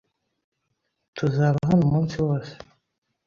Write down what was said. Tuzaba hano umunsi wose.